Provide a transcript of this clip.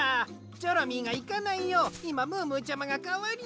チョロミーがいかないよういまムームーちゃまがかわりに。